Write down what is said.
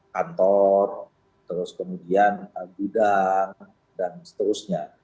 kantor kemudian bidang dan seterusnya